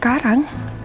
akanya ga suscrip aja